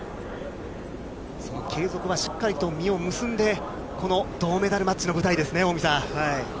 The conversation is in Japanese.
その継続はしっかりと実を結んで、この銅メダルマッチの舞台ですね、はい。